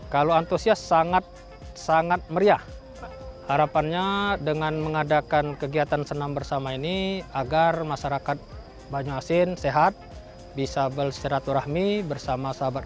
kegiatan senam sehat bersama